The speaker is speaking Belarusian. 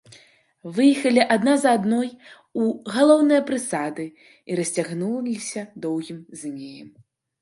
Выехалі адна за адной у галоўныя прысады і расцягнуліся доўгім змеем.